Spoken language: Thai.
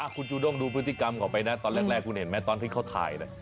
คุณจูด้งดูพฤติกรรมเขาไปนะตอนแรกคุณเห็นไหมตอนที่เขาถ่ายนะ